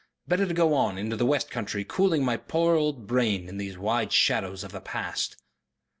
Better to go on into the west country cooling my poor old brain in these wide shadows of the past."